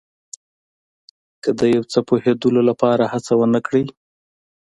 که د یو څه پوهېدلو لپاره هڅه ونه کړئ.